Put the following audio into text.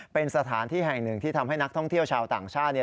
เป็นสถานที่แห่งหนึ่งที่ทำให้นักท่องเที่ยวชาวต่างชาติ